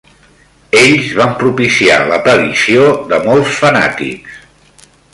Ells van propiciar l'aparició de molts fanàtics.